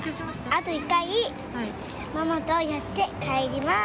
あと一回ママとやって帰ります